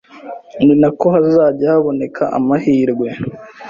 ni nako hazajya haboneka amahirwe